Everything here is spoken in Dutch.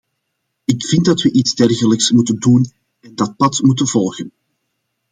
Ik vind dat we iets dergelijks moeten doen en dat pad moeten volgen.